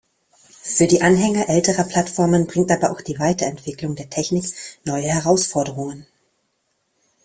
Für die Anhänger älterer Plattformen bringt aber auch die Weiterentwicklung der Technik neue Herausforderungen.